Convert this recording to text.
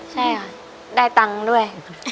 ใช่ค่ะได้ตังค์ด้วย